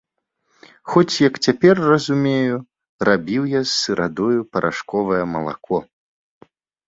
Хоць, як цяпер разумею, рабіў я з сырадою парашковае малако.